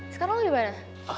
sekarang kamu bagaimana